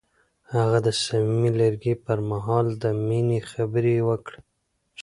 هغه د صمیمي لرګی پر مهال د مینې خبرې وکړې.